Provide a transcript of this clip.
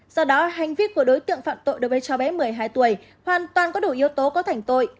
do đó hành vi của đối tượng phạm tội đối với cháu bé một mươi hai tuổi hoàn toàn có đủ yếu tố có thành tội